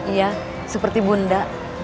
iya seperti bunda